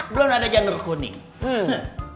belum ada jandar kuning